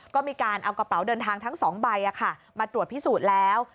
ก็มีการเอากระเป๋าเดินทางทั้ง๒ใบมาตรวจพิสูจน์แล้ว